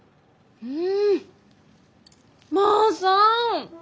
うん。